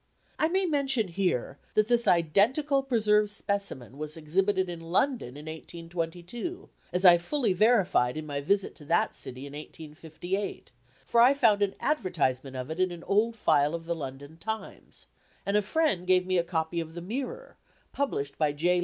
I may mention here that this identical preserved specimen was exhibited in London in 1822, as I fully verified in my visit to that city in 1858, for I found an advertisement of it in an old file of the London Times, and a friend gave me a copy of the Mirror, published by J.